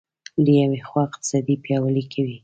له یوې خوا اقتصاد پیاوړی کوي.